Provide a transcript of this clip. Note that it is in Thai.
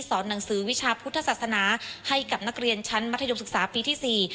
สอนหนังสือวิชาพุทธศาสนาให้กับนักเรียนชั้นมศปีที่๔